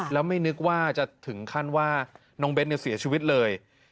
แล้วไม่นึกว่าจะถึงขั้นว่าน้องเบ้นเสียชีวิตเลย